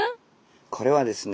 これはですね